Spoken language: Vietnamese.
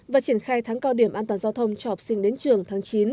và triển khai tháng cao điểm an toàn giao thông cho học sinh đến trường tháng chín